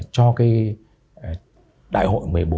cho đại hội một mươi bốn